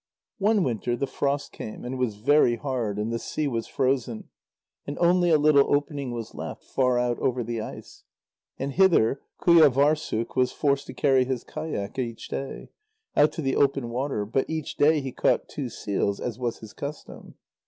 One winter, the frost came, and was very hard and the sea was frozen, and only a little opening was left, far out over the ice. And hither Qujâvârssuk was forced to carry his kayak each day, out to the open water, but each day he caught two seals, as was his custom.